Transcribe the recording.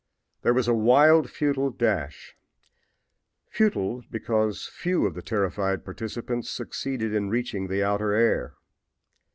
There was a wild, futile dash futile because few of the terrified participants succeeded in reaching the outer air.